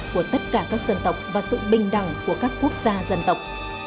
của tất cả các dân tộc và sự bình đẳng của các quốc gia dân tộc